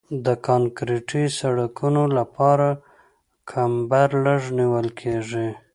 د کانکریټي سرکونو لپاره کمبر لږ نیول کیږي